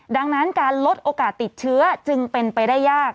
ดังนั้นการลดโอกาสติดเชื้อจึงเป็นไปได้ยาก